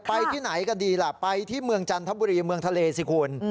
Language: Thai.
ไปที่ไหนกันดีล่ะไปที่เมืองจันทบุรีเมืองทะเลสิคุณ